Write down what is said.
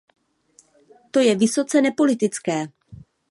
To je vysoce nepolitické.